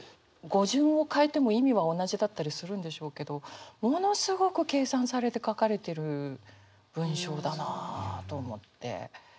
語順を変えても意味は同じだったりするんでしょうけどものすごく計算されて書かれてる文章だなあと思って。